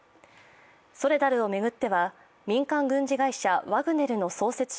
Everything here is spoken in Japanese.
ソレダルを巡っては民間軍事会社ワグネルの創設者